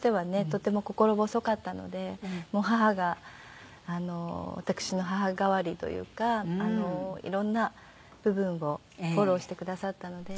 とても心細かったのでもう義母が私の母代わりというかいろんな部分をフォローしてくださったので。